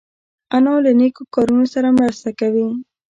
انا له نیکو کارونو سره مرسته کوي